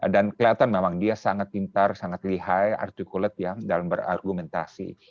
dan kelihatan memang dia sangat pintar sangat lihai artikulat ya dan berargumentasi